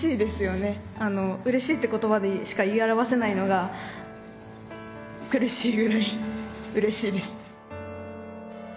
「うれしい」って言葉でしか言い表せないのが苦しいぐらいうれしいです。